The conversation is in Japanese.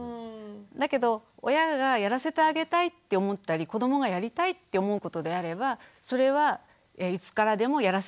だけど親がやらせてあげたいって思ったり子どもがやりたいって思うことであればそれはいつからでもやらせてあげていいのかなって。